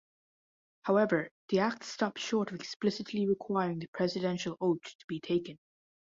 However, the Act stops short of explicitly requiring the presidential oath to be taken.